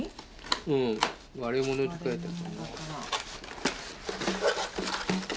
うん。割れ物って書いてある。